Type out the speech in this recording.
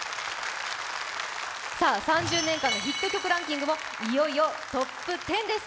さあ、３０年間のヒット曲ランキングもいよいよトップ１０です。